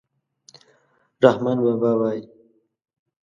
رحمان بابا وایي: